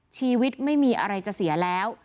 ชีวิตไม่มีอะไรจะเสียแล้ว